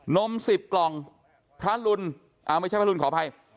นม๑๐กล่องพระรุนไม่ใช่พระรุนขออภัย